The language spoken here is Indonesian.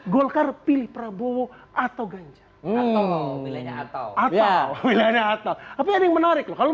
gold car pilih prabowo atau ganjar mungkin commit atau fileada atau apb menarik kalau